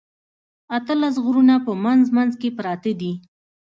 اتلس غرونه په منځ منځ کې پراته دي.